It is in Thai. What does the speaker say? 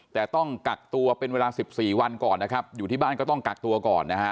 แต่ต้องกักตัวเป็นเวลา๑๔วันก่อนนะครับอยู่ที่บ้านก็ต้องกักตัวก่อนนะฮะ